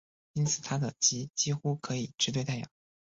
因此它的极几乎可以直对太阳。